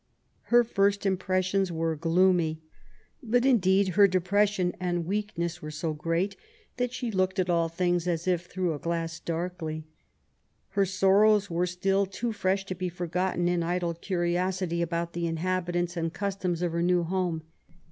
Her first impressions were gloomy. But, indeed, her depression and weakness were so great, that she looked at all things, as if '^through a glass, darkly .^^ Her sorrows were still too fresh to be forgotten in idle cusiosity about the inhabitants and customs of her new home.